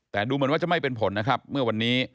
แต่ดูเหมือนว่าจะไม่เป็นผลนะครับเมื่อวันนี้